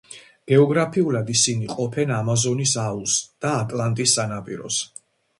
გეოგრაფიულად ისინი ყოფენ ამაზონის აუზს და ატლანტის სანაპიროს.